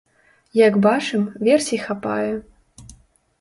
Як бачым, версій хапае.